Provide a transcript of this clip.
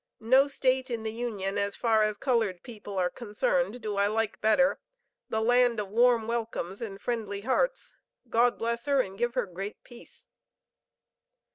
No state in the Union as far as colored people are concerned, do I like better the land of warm welcomes and friendly hearts. God bless her and give her great peace!"